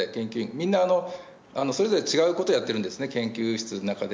みんな、それぞれ違うことやってるんですね、研究室の中で。